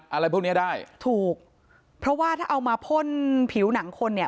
อะไรพวกเนี้ยได้ถูกเพราะว่าถ้าเอามาพ่นผิวหนังคนเนี่ย